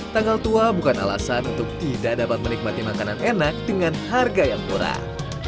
tanggal tua bukan alasan untuk tidak dapat menikmati makanan enak dengan harga yang murah